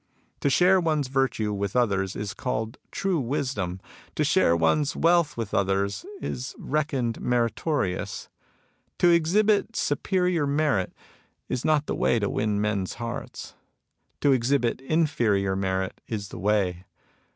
" To share one's virtue with others is called true wisdom. To share one's wealth with others is reckoned meritorious. To exhibit superior THE WAY OP THE SCHOLAR 81 merit is not the way to win men's hearts. To exhibit inferior merit is the way.